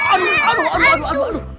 aduh aduh aduh